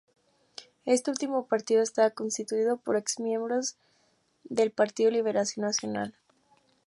Este último partido estaba constituido por exmiembros del Partido Liberación Nacional.